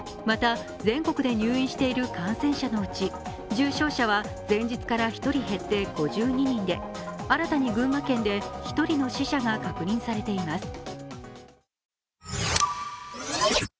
また全国で入院している感染者のうち、重症者は前日から１人減って５２人で新たに群馬県で１人の死者が確認されています。